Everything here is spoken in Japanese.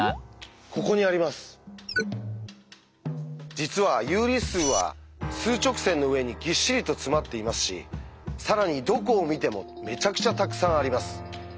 実は有理数は数直線の上にぎっしりと詰まっていますし更にどこを見てもめちゃくちゃたくさんあります。